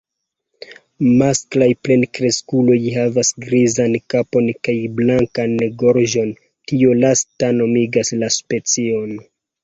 Masklaj plenkreskuloj havas grizan kapon kaj blankan gorĝon, tio lasta nomigas la specion.